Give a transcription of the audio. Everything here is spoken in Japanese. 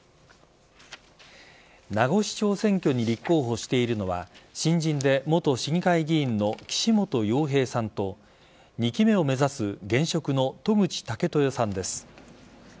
名護市長選挙に立候補しているのは新人で元市議会議員の岸本洋平さんと２期目を目指す現職の渡具知武豊さんです。